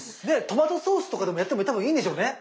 トマトソースとかでもやっても多分いいんでしょうね？